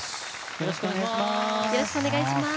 よろしくお願いします。